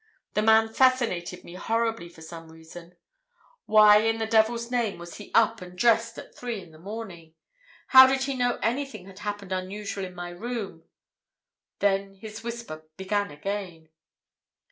The man fascinated me horribly for some reason. Why, in the devil's name, was he up and dressed at three in the morning? How did he know anything had happened unusual in my room? Then his whisper began again.